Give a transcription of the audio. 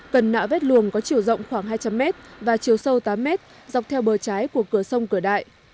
cần nã vết luồng có chiều rộng khoảng hai trăm linh m và chiều sâu tám m dọc theo bờ trái của cửa sông cửa đại